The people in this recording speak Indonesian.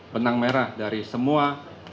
benang merah dari semua